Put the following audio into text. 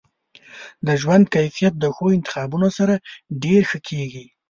د ژوند کیفیت د ښو انتخابونو سره ډیر ښه کیږي.